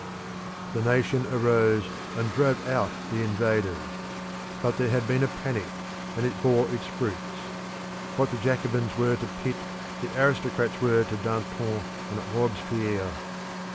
The nation arose and drove out the invaders. But there had been a panic, and it bore its fruits. What the Jacobins were to Pitt, the aristocrats were to Danton and Robespierre.